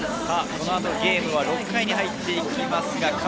この後ゲームは６回に入っていきます。